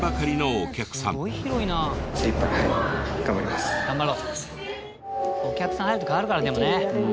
お客さん入ると変わるから。